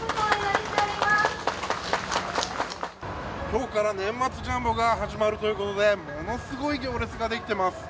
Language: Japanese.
今日から年末ジャンボが始まるということでものすごい行列ができています。